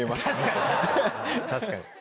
確かに。